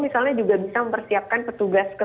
misalnya juga bisa mempersiapkan petugas